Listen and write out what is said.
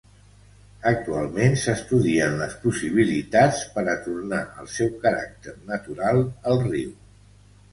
Actualment, s'estudien les possibilitats per a tornar el seu caràcter natural al riu.